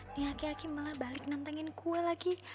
nih aki aki malah balik nantangin gue lagi